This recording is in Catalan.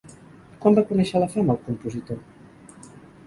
Quan va conèixer la fama el compositor?